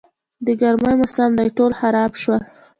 د ګرمي موسم دی، ټول خراب شول.